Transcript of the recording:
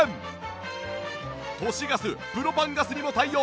都市ガスプロパンガスにも対応